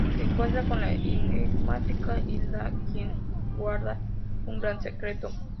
Se encuentra con la enigmática Hilda, quien guarda un gran secreto.